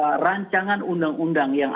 menawarkan rancangan undang undang kerasan ini